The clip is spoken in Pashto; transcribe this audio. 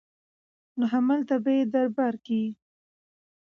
نو هملته به يې دربار کې